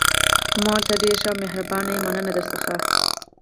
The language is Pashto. ما وویل: ته ډېره ښه او مهربانه یې، مننه درڅخه.